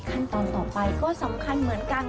ขั้นตอนต่อไปก็สำคัญเหมือนกัน